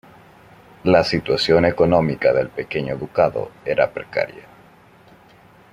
La situación económica del pequeño ducado era precaria.